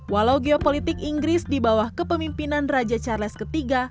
walau geopolitik inggris di bawah kepemimpinan raja charles iii